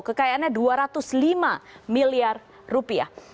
kekayaannya dua ratus lima miliar rupiah